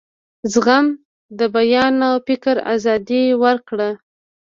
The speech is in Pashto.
زغم د بیان او فکر آزادي ورکړه.